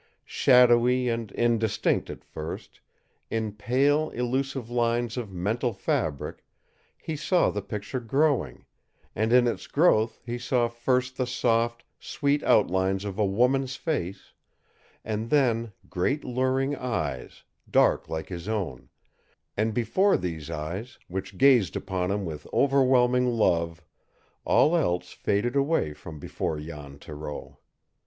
Shadowy and indistinct at first, in pale, elusive lines of mental fabric, he saw the picture growing; and in its growth he saw first the soft, sweet outlines of a woman's face, and then great luring eyes, dark like his own and before these eyes, which gazed upon him with overwhelming love, all else faded away from before Jan Thoreau.